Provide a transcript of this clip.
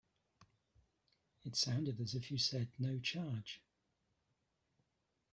It sounded as if you said no charge.